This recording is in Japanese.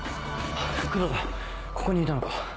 ここにいたのか。